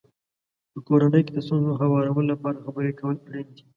په کورنۍ کې د ستونزو هوارولو لپاره خبرې کول اړین دي.